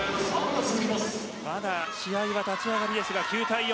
まだ試合は立ち上がりですが９対４。